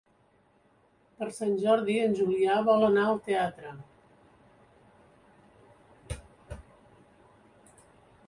Per Sant Jordi en Julià vol anar al teatre.